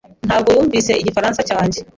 ntabwo yumvise igifaransa cyanjye.